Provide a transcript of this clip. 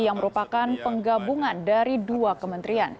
yang merupakan penggabungan dari dua kementerian